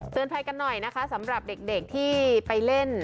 ภัยกันหน่อยนะคะสำหรับเด็กที่ไปเล่น